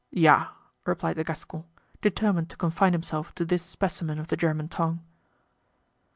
"Ja!" replied the Gascon, determined to confine himself to this specimen of the German tongue.